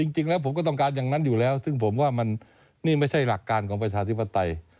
จริงแล้วผมก็ต้องการอย่างนั้นอยู่แล้วซึ่งผมว่ามันนี่ไม่ใช่หลักการของประชาธิปไตย